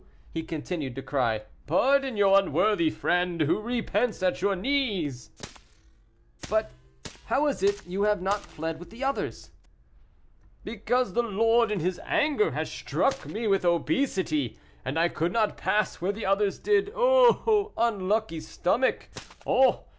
he continued to cry, "pardon your unworthy friend, who repents at your knees." "But how is it you have not fled with the others?" "Because the Lord in His anger has struck me with obesity, and I could not pass where the others did. Oh! unlucky stomach! Oh!